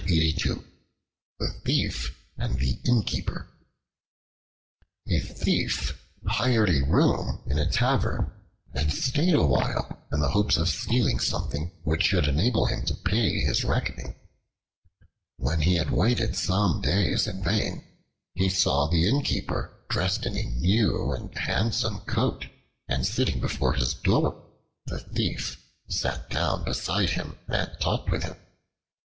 The Thief and the Innkeeper A THIEF hired a room in a tavern and stayed a while in the hope of stealing something which should enable him to pay his reckoning. When he had waited some days in vain, he saw the Innkeeper dressed in a new and handsome coat and sitting before his door. The Thief sat down beside him and talked with him.